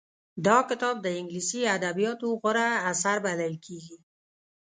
دا کتاب د انګلیسي ادبیاتو غوره اثر بلل کېږي